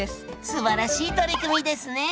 すばらしい取り組みですね。